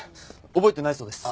覚えてないそうです。